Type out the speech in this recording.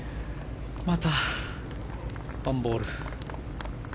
またワンボール。